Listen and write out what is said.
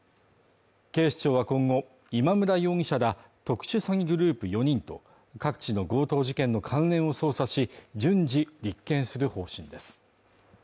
警視庁は今後、今村容疑者ら特殊詐欺グループ４人と各地の強盗事件の関連を捜査し、順次立件する方針です。